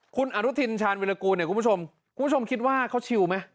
คุณอรุทินชาญวิรกูลคุณผู้ชมคิดว่าเขาชิวไหม